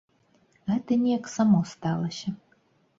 Гэтак неяк само сталася.